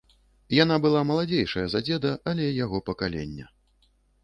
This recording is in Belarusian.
Яна была маладзейшая за дзеда, але яго пакалення.